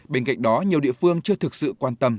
bên cạnh đó nhiều địa phương chưa thực sự quan tâm